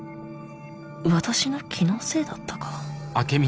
私の気のせいだったか？